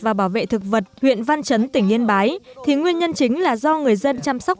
và bảo vệ thực vật huyện văn chấn tỉnh yên bái thì nguyên nhân chính là do người dân chăm sóc